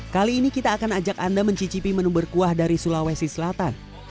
kali ini kita akan ajak anda mencicipi menu berkuah dari sulawesi selatan